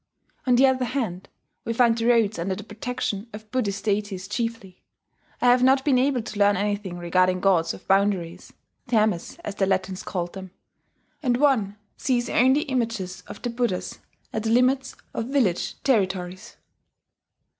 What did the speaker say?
On the other hand, we find the roads under the protection of Buddhist deities chiefly. I have not been able to learn anything regarding gods of boundaries, termes, as the Latins called them; and one sees only images of the Buddhas at the limits of village territories.